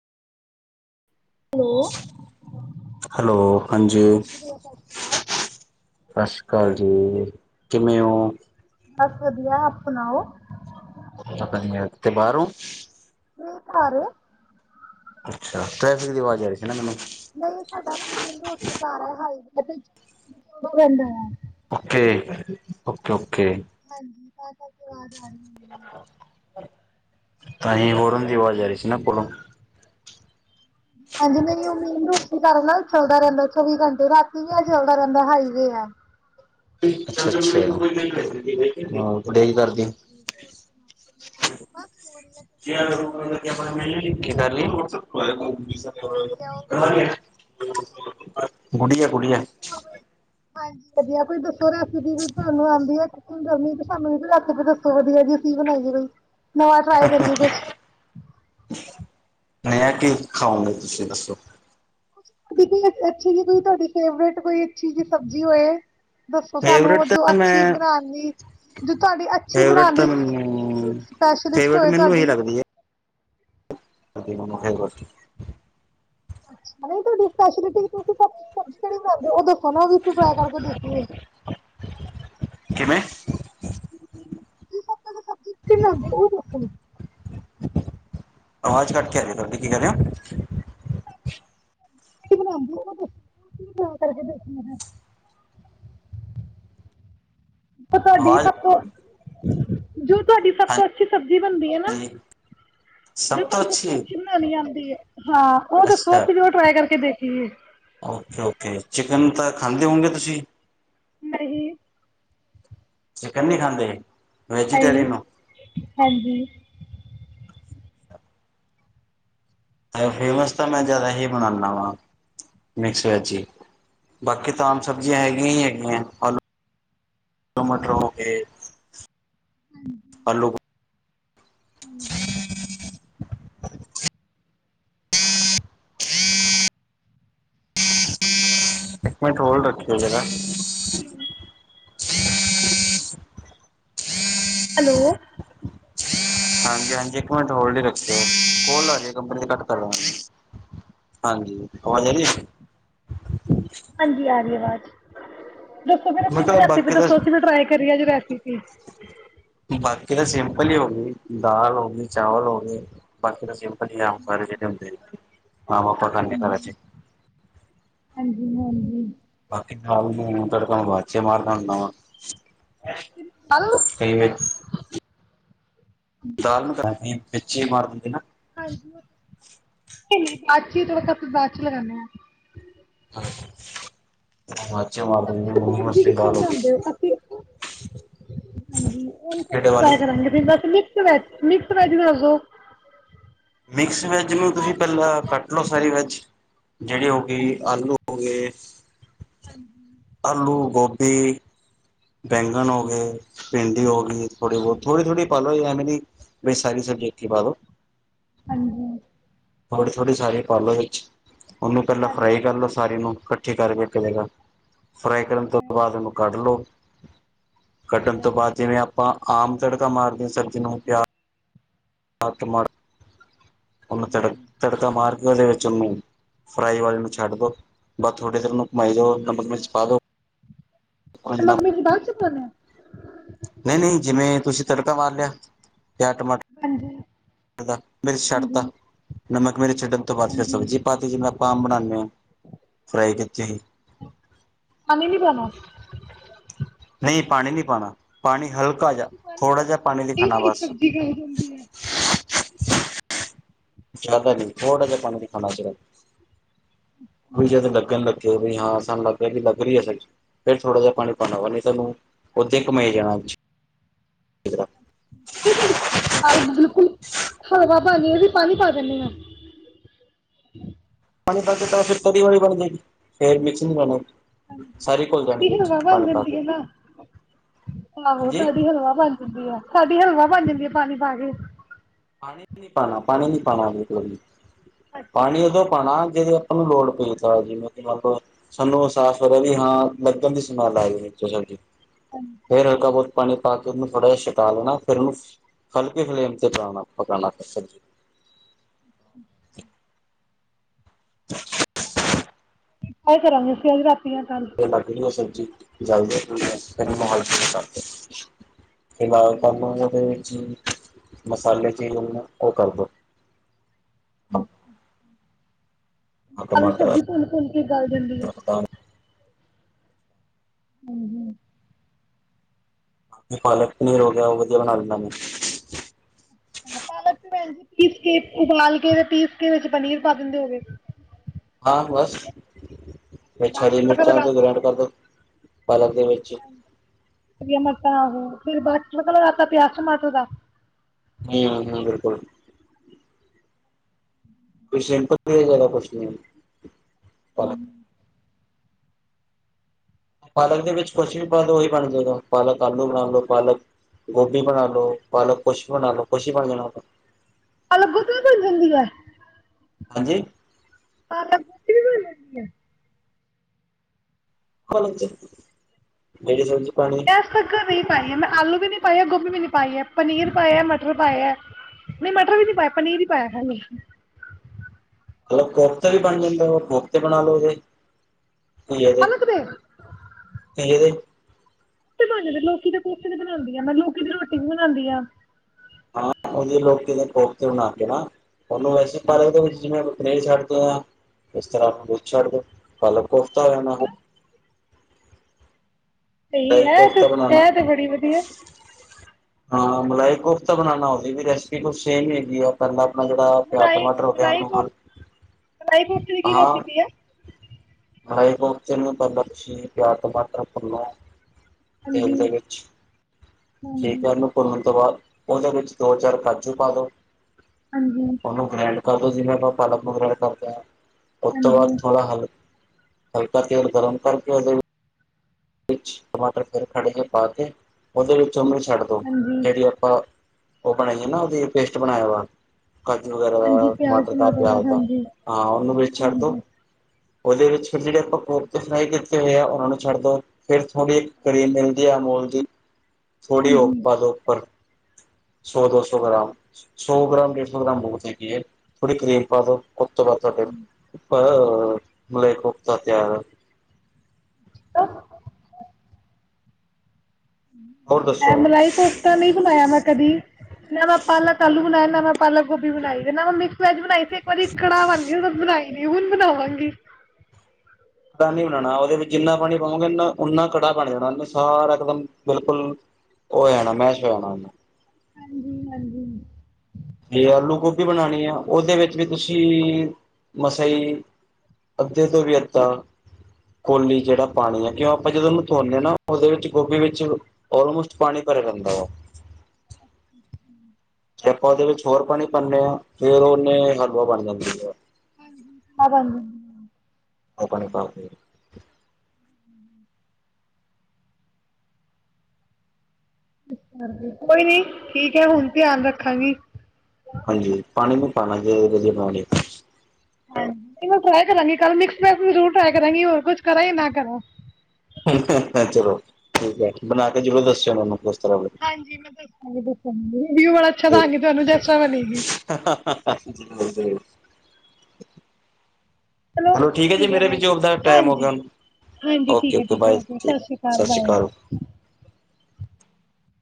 Hello. Hello ਹਾਂਜੀ, ਭਈਆ ਸਤਿ ਸ਼੍ਰੀ ਅਕਾਲ ਸਸ਼ ਰੀ ਅ ਹਾਂਜੀ, ਕਿਵੇਂ ਓਂ ਬਸ ਵਧੀਆ, ਆਪ ਸੁਣਾਓ ਪਤਾ ਨੀ ਅੱਜ ਤੇ ਬਾਰੋਂ ਨੀ ਘਰ ਅੱਛਾ, ਟ੍ਰੈਫਿਕ ਦੀ ਵਾਜ ਆਰੀ ਸੀ। ਨਾ ਮੈਨੂੰ ਨਹੀਂ ਸਾਡਾ ਨਾ ਮੇਨ ਰੋਡ ਤੇ ਘਰ ਐ, ਹਾਈਵੇ ਪਤੈ ਜ ਜੋੜਾ ਲੈਂਦਾ ਆ। ਓਕੇ ਓਕੇ, ਓ ਓਕੇ। ਹਾਂਜੀ ਤਾਂ ਕਰਕੇ ਵਾਜ਼ ਆਰੀ ਏ। [inaudible] ਤਾਂਈ ਹੋਰਨ ਦੀ ਅਵਾਜ਼ ਆ ਰੀ ਸੀ ਨਾ ਕੋਲੋਂ। ਹਾਂਜੀ, ਮੇਰੀ ਉ ਮੇਨ ਰੋਡ ਦੇ ਕਾਰਨ ਨਾ ਚਲਦਾ ਰਹਿੰਦੈ, ਚੌਵੀ ਘੰਟੇ ਰਾਤੀ ਵੀ ਆ ਚੱਲਦਾ ਰਹਿੰਦੈ ਹਾਈਵੇ ਆ। [unintelligible] ਹਾਂ। ਤਾਂ ਕਰਕੇ ਹੋਰ ਸੁਣਾਓ, ਬਸ ਹੋ ਰੀ ਐ ਫਨਗਿਰੀ। [unintelligible] [unintelligible] ਗੁੜੀਆ ਤੂੰ ਆਵੇ, ਹਾਂਜੀ। ਵਧੀਆ ਕੋਈ ਦੱਸੋ ਰੈਸਪੀ ਵੀ ਤਾਨੂੰ ਆਂਦੀ ਏ ਗਰਮੀ ਚ ਸਾਨੂੰ ਵੀ ਕੋਈ ਰੈਸਪੀ ਦੱਸੋ, ਵਧੀਆ ਜੀ ਅਸੀਂ ਬਣਾਈਏ ਕੋਈ। ਨਵਾਂ ਟਰਾਈ ਕਰੀਏ ਕੁਛ। ਨਯਾ ਕੀ ਖਾਓਗੇਂ, ਤੁਸੀਂ ਦੱਸੋ? ਦੀ ਪੀ ਐਸ ਅੱਛੀ ਜੀ ਕੋਈ ਤੁਹਾਡੀ ਫੇਵਰੇਟ ਕੋਈ ਅੱਛੀ ਜੀ ਸਬਜ਼ੀ ਹੋਏ। ਦੱਸੋ ਸਾਨੂੰ ਔਹ ਫੇਵਰੇਟ ਜੋ ਤਾਂ ਅੱਛੀ ਮੈਂ ਬਣਾਣ ਦੀ, ਜੋ ਤੁਹਾਡੀ ਅੱਛੀ ਫੇਵਰੇਟ ਬਣਾਣ ਤਾਂ ਦੀ ਮੈਨੂੰ ਸਪੈਸ਼ਲਿਸਟ ਫੇਵਰੇਟ ਹੋਏ ਮੈਨੂੰ ਇਹੀ ਤੁਹਾਡੀ। ਲੱਗਦੀ ਮੈਨੂੰ ਫੇਵਰੇਟ। ਅੱਛਾ ਨਹੀਂ ਤੁਹਾਡੀ ਸਪੈਸ਼ਲੀਟੀ ਕਿ ਤੁਸੀਂ ਥ-ਥ- ਥੋੜੀ ਵੋ ਔ ਦਸੋ ਹਨਾ ਵਿਚੋ ਜੈ ਕਰਕੇ ਦੇਖੀ ਏ। ਕਿਵੇਂ? ਤੁਸੀਂ ਸਭ ਤੋਂ ਸਬਜ਼ੀ ਕਿਹੜੀ ਬਣਾਉਂਦੇ ਹੋ ਉਹ ਦੱਸੋ ਆਵਾਜ਼ ਕੱਟ ਕੇ ਆ ਰੀ ਏ ਤੁਹਾਡੀ, ਕੀ ਕਹਿ ਰੇ ਔ? ਜੇੜੀ ਬਣਾਂਦੀ ਏ ਔ ਦਸੋ, ਫੋਨ ਕਰਕੇ ਦੱਸਣਾ [inaudible] ਤਾਂ ਤੁਹਾਡੀ ਆਵਾਜ਼ ਸਭ ਤੋ ਜੋ ਤੁਹਾਡੀ ਸਭ ਤੋਂ ਅੱਛੀ ਸਬ ਜੀ ਬਣਦੀ ਏ ਨਾ ਹਾਂਜੀ ਜੋ ਤੁਹਾਨੂੰ ਸਭ ਤੋਂ ਅੱਛੀ ਬਨਾਣੀ ਆਂਦੀ ਏ। ਹਾਂ, ਔਹ ਦੱਸੋ ਅੱਛਾ ਅਸੀਂ ਵੀ ਔਹ ਟਰਾਈ ਕਰਕੇ ਦੇਖ ਠੀਅ ਖੁਸੀ ਨਹੀਂ ਚਿਕਨੀ ਖਾਂਦੇ ਹ ਵੈਜੀਟੇਰੀਅਨ ਹੋ ਹਾਂਜੀ ਫੇਮਸ ਤਾਂ ਮੈਂ ਜ਼ਿਆਦਾ ਹੀ ਬਣਾਉਂਦਾ ਵਾਂ ਮਿਕਸ ਵੈਜ ਹੀ ਬਾਕੀ ਤਾਂ ਆਮ ਸਬਜ਼ੀਆਂ ਹੈਗੀਆਂ ਹੀ ਹੈਗੀਆਂ ਆਲੂੂ ਟ ਮਟਰ ਹੋ ਗਏ ਅਲੂ [inaudible] ਇੱਕ ਮਿੰਟ ਹੋਲਡ ਰੱਖੀਓ ਜਰਾ ਹ ਹ ਹੈਲੋ ਹਾਂਜੀ ਹਾਂਜੀ ਇੱਕ ਮਿੰਟ ਹੋਲਡ ਹੀ ਰੱਖਦੇ ਹੋਲੇ ਕੰਪਨੀ ਤੇ ਘੱਟ ਕਰ ਲਵ ਹਾਂਜੀ ਆਵਾਜ਼ ਆੀ ਹਾਂਜੀ ਆ ਰਹੀ ਆਵਾਜ਼ ਦੱਸੋ ਮੇ ਆਪ ਮੈਂ ਵੀ ਕਿਹਾ ਰੈਸਪਈ ਬਾਕੀ ਤਾਂ ਦੱਸੋ ਅਸੀਂ ਟਰਾਈ ਕਰੀਏ ਹਕ ਬਾਕੀ ਤਾਂ ਸਿੰਪਲ ਹੀ ਹੋ ਗਈ ਦਾਲ ਹੋ ਗਈ ਚਾਵਲ ਹੋ ਗਏ ਬਾਕੀ ਤਾਂ [inaudible] ਮਾਂ ਬਾਪਾ ਕਰਨੇ ਕਰਾਂ ਚ ਹਾਂਜੀ ਹਾਂਜੀ ਬਾਕੀ ਮਟੜ ਬਾਚ ਮਾਰ ਹਲੋ ਕਹੀ ਵ ਦਾਲ ਨੂੰ ਕਰ ਮੱਚੀ ਮਾਰਦ ਦਿ ਨਾ ਹਾਂਜੀ ਅੱ ਹੀ ਥੋੜਾ ਬਾਅਦ ਹੀ ਲਗਾਉਾਨਦੇ ਹ ਹਾਂ ਸਬ ਸਬਜ਼ੀਖਣ ਆਉਂਦੇ ਹੋ ਅਸੀਂ ਹ ਹਾਂਜੀ ਉਹੀ ਕਿਹੜੇ ਸਬਜ਼ੀ ਵਾਲੀ ਟ ਕਰਾਂਗੇ ਤੁਸੀਂ ਬ ਮਿਕ ਵੈ ਮ ਵੈ ਨਾਲ ਦ ਮਿਕਸ ਵੈੱਜ ਨੂੰ ਤੁਸੀਂ ਪਹਿਲਾਂ ਕੱਟ ਲਓ ਸਾਰੀ ਵੈੱਜ ਜਿਹੜੀ ਹੋ ਗਈ ਆਲੂ ਹੋ ਗਏ ਆਲੂ ਗਭ ਤੇ ਬੈਂਗਨ ਹੋ ਗਏ ਭਿੰਡੀ ਹੋ ਗਈ ਥੋੜੀ ਬਹੁਤ ਥੋੜੀ ਥੋੜੀ ਹਾਂਜੀ ਥੋੜੇ ਥੋੜੇ ਸਾਰੇ ਪਾਲੋ ਵਿੱਚ ਉਹਨੂੰ ਪਹਿਲਾਂ ਫਰਾਈ ਕਰ ਲੋ ਸਾਰੇ ਨੂੰ ਕ [inaudible] ਫਰਾਈ ਕਰਨ ਤੋਂ ਬਾਅਦ ਉਹਨੂੰ ਕੱਢ ਲਓ ਕੱਟਣ ਤੋਂ ਬਾਅਦ ਜਿਵੇਂ ਆਪਾਂ ਆਮ ਤੜਕਾ ਮਾਰਦੀ ਸਬਜ਼ੀ ਨੂੰ ਪਿਆ [inaudible] ਉਹਨੂੰ ਤੜਕ ਤੜਕਾਾ ਮਾਰਗਾਂ ਦੇ ਵਿੱਚ ਉਹਨੂੰ ਫਰਾਈ ਵਾਲੇ ਨੂੰ ਛੱਡ ਦੋ ਬਸ ਥੋੜੇ ਦੇਰ ਨੂੰ ਨਮਕ ਮਿਰਚ ਪਾਦੋ ਨਮਕ ਮੀਰਚ ਬਾਅਦ ਚ ਪਾਣਾ ਏ ਨਹੀਂ ਨਹੀਂ ਜਿਵੇਂ ਤੁਸੀਂ ਤੜਕਾ ਵਾ ਲਿਆ ਜਾਂ ਟਮਾ ਹਾਂਜੀ ਮਿਰਚ ਛੱਡ ਤ ਹਾਂਜੀ ਨਮ ਮੇਰੇ ਛਡਣ ਤੋਂ ਬਾਅ ਫਿਰ ਸਬੀ ਪਾਤੀ ਜ ਮੈਂ ਬਣਾਾਨਦੇ [inaudible] ਫਰਾਈ ਕੀਤੀ-ਉਨਹੀਂ ਪਾਣੀ ਨਹੀਂ ਪਾਉਣਾ ਪਾਣੀ ਨੀ ਪਾਣਾ ਪਾਣੀ ਹਲ [unintelligible] ਇਹ ਸਾਡੀ ਸਬਜ਼ੀ ਜਾਂਦੀ ਹੈ ਜ਼ਿਆਦਾ ਨੀ ਥੋੜ੍ਹਾ ਜਿਹਾ ਪਾਣੀ [unintelligible] ਸਿਰਫ ਜਦ ਲੱਗਣ ਲੱਗੇ ਬੀ ਹਾਂ ਸਾਨੂੰ ਲੱਗਿਆ ਵੀ ਲੱਗ ਰਹੀ ਫਿਰ ਥੋੜ੍ਹਾ ਤੁਾਨੂੰ ਓਦ ਕਮਾਈ ਜਾਣਾ ਪਾਣੀ ਪਾ ਦਿੰਦੇ ਆ [inaudible] [inaudible] ਸਾਰੀ ਘੁਲ ਜਾਣੀ ਸਾਡੀ ਵਿੱਚ ਹਵਾ ਬਣ ਪਾਣੀ ਪਾ ਕੇ ਹਾਂਜੀ ਜਾਂਦੀ ਹੈ ਪਾਣੀ ਪਾ ਕੇ ਪਾਣੀ ਨੀ ਪਾਣਾ ਪਾਣੀ ਨੀ ਪਾਣਾ ਬਿਲਕੁਲ ਵੀ ਪਾਣੀ ਉਦੋਂ ਪਾਣਾ ਲੋੜ ਪਈ ਤਾਂ [inaudible] ਜਿਵੇਂ ਕਿ ਮੰਨ ਲਓ ਸਾਨੂੰ ਲੱਗਣ ਦੀ ਸਮੈੱਲ ਆ ਰਹੀ ਹ ਸਬਜੀ ਫੇਿਰ ਹਲਕ ਬਹੁਤ ਪਾਣੀ ਪਾ ਕੇ ਉਹਨੂੰ ਥੋੜਾ ਜਿਹਾ ਛਟਾ ਲਣਾ ਫੇਰ ਉਹਨੂੰ ਫਲਕੀ ਫਲੇਮ ਤੇ ਚਣਾ ਪਕਣਾ ਸਬਜ਼ੀ [inaudible] ਕਰਾਂਗੇ ਅਸੀਂ ਅੱਜ ਰਾਤੀ ਜਾਂ ਕੱਲ ਇਹ ਲੱਗ ਰਿਹਾ ਵੈਸੇ, ਜਲਦੀ ਮਾਲ [unintelligible] [unintelligible] ਕੰਮ ਦੇ ਵਿੱਚ ਮਸਾਲੇ ਚੈਜ ਹੋਗੇ ਉਹ ਕਰਦਿਓ। [inaudible] ਆਲੂ ਸਬਜ਼ੀ ਭੁੰਨ ਭੁੰਨ ਕੇ ਗੱਲ ਜਾਦੀ ਆ। [inaudible] ਪਾਲਕ ਪਨੀਰ ਹੋ ਗਿਆ ਉਹ ਵਧੀਆ ਬਣਾ ਲੈਂਦਾ ਮੈਂ, ਪਾਲਕ ਤੇ ਭੈਣ ਜੀ ਪੀਸ ਕੇ ਉਬਾਲ ਕੇ ਤੇ ਪੀਸ ਕੇ ਵਿੱਚ ਪਨੀਰ ਪਾ ਦਿੰਦੇ ਹੋਗੇ। ਹਾਂ ਬਸ, ਬਾਅਦ 'ਚ ਹਰੀ ਤੜਕਾ ਮਿਰਚਾਂ ਤੇ ਲਗਾਤਾ ਗ੍ਰੈਂਡ ਕਰ ਕੇ, ਪਾਲਕ, ਦੇ ਵਿੱਚ [unintelligible] ਫਿਰ ਬਸ ਲਗਾਤਾ ਪਿਆਜ ਟਮਾਟਰ ਦਾ, ਹੂੰ-ਹੂੰ, ਬਿਲਕੁਲ। ਕੋਈ ਸਿਪਲ ਵਗੈਰਾ ਕੋਈ ਕੁਛ ਨੀ, [unintelligible] ਪਾਲਕ ਦੇ ਵਿੱਚ ਕੁਛ ਵੀ ਪਾ ਦਓ ਉਹੀ ਬਣ ਜੇਗਾ ਪਾਲਕ ਆਲੂ ਬਣਾ ਲੋ ਪਾਲਕ ਗੋਭੀ ਬਣਾ ਲੋ ਪਾਲਕ ਕੁਛ ਵੀ ਬਣਾ ਲਉ ਕੁਛ ਹੀ ਬਣ ਜਾਣਾ ਆਪ ਅਲੱਗੋ ਤੋਂ ਬਣ ਜਾਦੀ ਏ। ਹਾਂਜੀ, [unintelligible] ਬਣ ਜਾਦੀ ਐ। [unintelligible] ਪਜ ਤੱਕ ਨਹੀਂ ਪਾਈ ਹੈ ਮੈਂ ਆਲੂ ਵੀ ਨੀ ਪਾਈ ਗੋਭੀ ਵੀ ਨੀ, ਪਾਇਆ ਪਨੀਰ ਪਾਇਆ ਮਟਰ ਪਾਇਆ ਨਹੀਂ ਮਟਰ ਵੀ ਨੀ ਪਾਇਆ ਪਨੀਰ ਹੀ ਪਾਇਆ ਖ ਚਲੋ ਕੋਫਤੇ ਵੀ ਬਣ ਜਾਂਦੇ ਕੋਫਤੇ ਬਣਾ ਲਓ ਐਦੇ, ਪਾਲਕ ਦੇ [unintelligible] ਮੰਨ ਲੋਕੀ ਦੇ ਕੋਫਤੇ ਵੀ ਤਾ ਬਣਾਦੀ ਆ ਮੈਂ ਲੋਕੀ ਦੀ ਰੋਟੀ ਵੀ ਬਣਾਦੀ ਆ। ਹਾਂ ਉਹੀ ਲੋਕੀ ਦੇ ਕੋਫਤੇ ਬਣਾ ਤੇ ਨਾ, ਉਨੁੰ ਵੈਸੇ ਪਾਲੋ ਉਦੇ ਵਿੱਚ ਜਿਵੇਂ ਛੱਡ ਦੋ ਉਸ ਤਰ੍ਹਾਂ ਆਪ ਨੂੰ ਕੁਛ ਛੱਡ ਦਿਓ। ਪਹਿਲਾ ਕੋਫਤਾ ਬਣਾਓ। ਸਹੀ ਹੈ ਤ ਕੋਫਤਾ ਬਣਾਣਾ ਐ ਤੇ ਬੜੀ ਵਧੀਆ। ਹਾਂ ਮਲਾਈ ਕੋਫ ਤਾਂ ਬਣਾਣਾ ਉਹਦੀ ਵੀ ਰੈਸਪੀ ਕੁਛ ਸੇਮ ਹੈਗੀ ਆ ਪਹਿਲਾਂ, ਆਪਣਾ ਜਿਹੜਾ ਪਿਆਜ਼ ਮਲਾਈ ਟਮਾਟਰ ਹੋ ਗਿਆ ਮਲਾਈ ਕੋ ਉਹਨੂੰ ਮਲਾਈ ਕੋਫਤੇ ਕੀ ਹਾਂ ਰੈਸੀਪੀ ਆ। ਮਲਾਈ ਕੋਫਤੇ [unintelligible] ਤੇਲ ਹਾਂਜੀ, ਦੇ ਵਿੱਚ ਹਾਂਜੀ, ਚਿਕਨ ਨੂੰ ਭੰਨਣ ਤੋਂ ਬਾਅਦ ਉਹਦੇ ਵਿੱਚ ਦੋ ਚਾਰ ਕਾਜੂ ਪਾ ਦਓ। ਹਾਂਜੀ, ਉਹਨੂੰ ਗ਼ਰਾਇੰਡ [unintelligible] ਉਸਤੋ ਬਾਦ ਹਾਂਜੀ, ਥੋੜਾ ਹਲ ਹਲਕਾ ਤੇਲ ਗਰਮ ਕਰ ਉਦੇ ਚ [unintelligible] ਵਿੱਚ ਟਮਾਟਰ ਥੋੜੇ ਥੋੜੇ ਜਿਹੇ ਪਾ ਕੇ ਓਹਦੇ ਵਿੱਚ ਚੱਮਚ ਛੱਡ ਦੋ ਹਾਂਜੀ, ਜਿਹੜੀ ਆਪਾਂ ਉਹ ਬਣਾਈ ਹੈ ਨਾ ਉਹਦੀ ਪੇਸਟ ਬਣਾਇਆ। ਕਾਜੂ ਹਾਂਜੀ ਵਗੈਰਾ ਪਿਆਜ ਟਮਾਟਰ ਦਾ ਪਿਆਜ ਦਾ ਹਾਂਜੀ, ਹਾਂ ਉਹਨੂੰ ਵਿੱਚ ਛੱਡ ਦਿਓ। ਹਾਂਜੀ, ਉਹਦੇ ਵਿੱਚ ਜਿਹੜੇ ਆਪਾ ਕੋਫਤੇ ਫਰਾਈ ਕਿਤ ਕਿਤੇ ਹੋਏਆ ਉਹਨਾਂ ਨੂੰ ਛੱਡ ਦਿਓ ਫਿਰ ਥੋੜੀ ਕਰੀਮ ਮਿਲਦੀ ਏ ਅਮੂਲ [unintelligible] ਜੀਜ ਥੋੜੀ ਓ ਹਾਂਜੀ। ਪਾਲੋ ਉਪਰ ਸੋ ਦੋਸੌ ਗ੍ਰਾਮ ਸ਼ੁ ਸ਼ੂ ਸੌ ਗ੍ਰਾਮ ਡੇਢ ਸੌ ਗ੍ਰਾਮ ਬਹੁਤ ਹੈਗੀ ਹੈ ਥੋੜੀ ਕਰੀਮ ਪਾ ਦਿਉ। [unintelligible] ਉਸ ਤੋ ਬਾਅਦ ਪਅਆ ਹੰ ਮਲਾਈ ਕੋਫਤਾ ਪਿਆ ਹੋਇਆ। ਆਹ ਹੋਰ ਐ ਮੈਂ ਦੱਸੋ ਮਲਾਈ ਕੋਫਤਾ ਨਹੀਂ ਬਨਾਇਆ ਨਾ ਕਦੀ ਨਾ ਮੈਂ ਪਾਲਕ ਆਲੂ ਬਨਾਣ ਨਾ ਮੈਂ ਪਾਲਕ ਗੋਭੀ ਬਨਾਈ ਨਾ ਮੈਂ ਮਿਕਸ ਵੇਜ ਬਨਾਈ। ਇੱਕ ਵਾਰੀ ਕੜਾਹ ਬਨ ਜਾਊਗਾ ਜੇ ਬਨੀ [unintelligible] ਨਹੀਂ ਹੁਨ ਬਨਾਵਾਂਗੀ। ਕੜਾ ਨੀ ਬਣਾਉਣਾ ਉਹਦੇ ਵਿੱਚ ਜਿੰਨਾ ਪਾਣੀ ਪਾਉਗੇਂ ਉਦਾ ਨੀ -ਓਹਨਾਂ ਕੜਾਹ ਬਣ ਜਾਣਾ [unintelligible] ਸਾਰਾ ਇਕਦਮ ਬਿਲਕੁਲ ਉਹ ਹੋ ਜਾਣਾ ਮੈਸ਼ ਹੋ ਜਾਣਾ ਉਹਨੇਂ। ਹਸ ਹਾਂਜੀ ਜੇ ਆਲੂ ਗੋਭੀ ਬਣਾਉਣੀ ਆ ਉਹਦੇ ਵਿੱਚ ਵੀ ਤੁਸੀਂ ਮਸਾ ਹੀ ਅੱਧੇ ਤੋ ਵੀ ਅੱਧਾ ਕੋਲੀ ਜਿਹੜਾ ਪਾਉਣੀ ਹੈ ਕਿਉਂ ਆਪਾਂ ਜਦੋਂ ਉਹਨੂੰ ਧੋਨੇਂ ਹੈਂ ਨਾ ਉਹਦੇ ਵਿੱਚ ਗੋਭੀ ਵਿੱਚ ਆਲਮੋਸਟ ਪਾਣੀ ਭਰਿਆ ਰਹੀਦਾ ਹੈ। ਜੇ ਆਪਾਂ ਉਹਦੇ ਵਿੱਚ ਹੋਰ ਪਾਣੀ ਪਾਂਨੇਂ ਹਾਂ ਫੇਰ ਉਹਨੇ ਹਲਵਾ ਬਣ ਜਾਂਦੀ ਹੈ। ਹਾਂਜੀ ਅਬ ਆਉਂਦੀ [unintelligible] [unintelligible] ਕੋਈ ਨੀ ਠੀਕ ਹੈ ਹੁਣ ਧਿਆਨ ਰੱਖਾਂਗੀ। ਹਾਂਜੀ ਪਾਣੀ [unintelligible] [unintelligible] ਹਾਂ ਜੀ ਮੈਂ ਟ੍ਰਾਈ ਕਰਾਂਗੀ ਕੱਲ ਮਿਕਸ ਵੇਜ ਵੀ ਸਰੂਰ ਟ੍ਰਾਈ ਕਰਾਂਗੀ ਹੋਰ ਕੁਛ ਕਰਾਂ ਯਾ ਨਾ ਕਰਾਂ। ਹੰ-ਹੰ-ਹੰ ਚਲੋ ਠੀਕ ਹੈ ਬਨਾ ਕੇ ਜਰੂਰ ਦੱਸਿਓ ਮੈਨੂੰ ਫੇਰ। ਹਾਂਜੀ ਮੈਂ ਦੱਸਾਂਗੀ ਦੱਸਾਂਗੀ। ਵਿਊ ਬੜਾ ਅੱਛਾ ਲਾਂ ਗ, ਤੁਹਾਨੂੰ ਤੇ ਅੱਛਾ ਬਣੇਗੀ। ਬਣੀ ਚਲੋ, ਠੀਕ ਹੈ ਜੀ। ਮੇਰੇ ਵੀ ਜੋਬ ਦਾ ਟਾਈਮ ਹੋ ਗਿਆ, ਹਾਂਜੀ ਓਕੇ, ਠੀਕ ਹੈ ਓਕੇ, ਠੀਕ ਹੈ ਬਾਏ, ਸਤਿ ਸ਼੍ਰੀ ਬਾਏ ਅਕਾਲ।